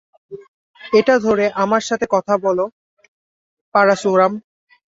এটা ধরে, আমার সাথে সাথে বল আমি, পারাসুরাম।